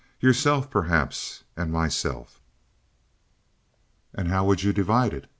"Yourself, perhaps, and myself." "And how would you divide it?